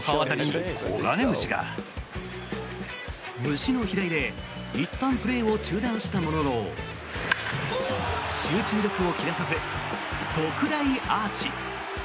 虫の飛来でいったんプレーを中断したものの集中力を切らさず特大アーチ。